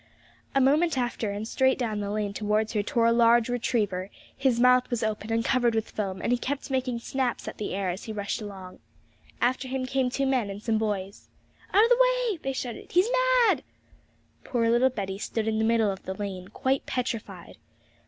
A moment after, and straight down the lane towards her tore a large retriever; his mouth was open and covered with foam, and he kept making snaps at the air as he rushed along. After him came two men and some boys. 'Out of the way!' they shouted; 'he's mad!' Poor little Betty stood in the middle of the lane, quite petrified.